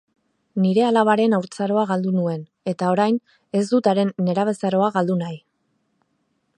Nire alabaren haurtzaroa galdu nuen eta orain ez dut haren nerabezaroa galdu nahi.